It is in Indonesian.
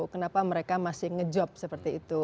kenapa mereka masih ngejob seperti itu